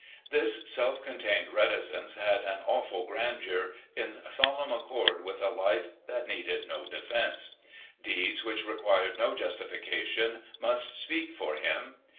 "This self contained reticence had an awful grandeur, in solemn accord with a life that needed no defense. Deeds which required no justification must speak for him.